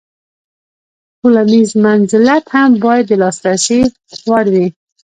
تولنیز منزلت هم باید د لاسرسي وړ وي.